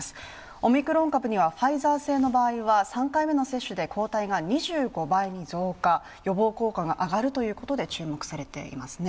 オミクロン株にはファイザー製の場合には３回目の接種で抗体が２５倍に増加、予防効果が上がるということで注目されています。